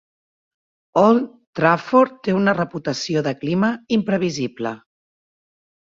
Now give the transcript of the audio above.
Old Trafford té una reputació de clima imprevisible.